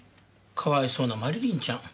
かわいそうなマリリンちゃん。